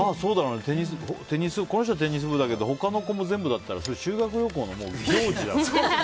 この人はテニス部だけど他の子も全部だったら修学旅行の行事だもん。